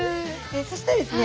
そしてですね